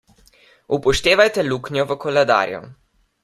Upoštevajte luknjo v koledarju.